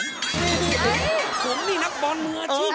นี่ผมนี่นักบอลมืออาชีพ